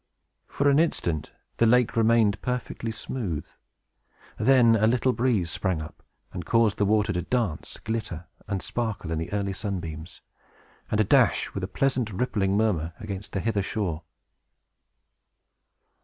For an instant, the lake remained perfectly smooth. Then, a little breeze sprang up, and caused the water to dance, glitter, and sparkle in the early sunbeams, and to dash, with a pleasant rippling murmur, against the hither shore.